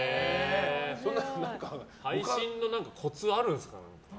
配信のコツあるんですか？